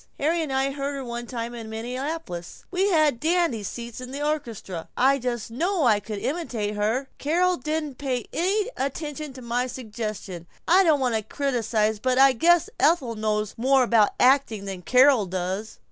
(Harry and I heard her one time in Minneapolis we had dandy seats, in the orchestra I just know I could imitate her.) Carol didn't pay any attention to my suggestion. I don't want to criticize but I guess Ethel knows more about acting than Carol does!"